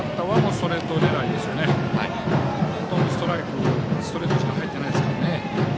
ストライク、ストレートしか入ってないですからね。